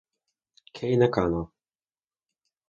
Kei Nakano